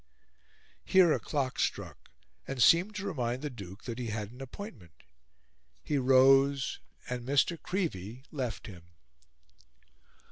Here a clock struck, and seemed to remind the Duke that he had an appointment; he rose, and Mr. Creevey left him.